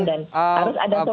dan harus ada solusi